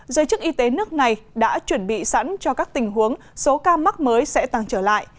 giới chức y tế nước này đã chuẩn bị sẵn cho các tình huống số ca mắc mới sẽ tăng trở lại